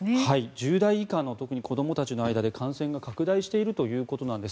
１０代以下の子どもたちの間で感染が拡大しているということなんです。